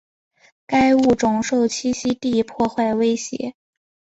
该物种受栖息地破坏威胁。